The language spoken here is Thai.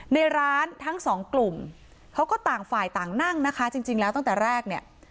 ในร้านทั้งสองกลุ่มเขาก็ต่างฝ่ายต่างนั่งนะคะจริงแล้วตั้งแต่แรกเนี่ย